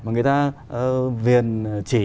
người ta viền chỉ